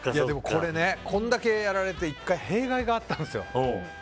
これね、これだけやられて１回弊害があったんですよ。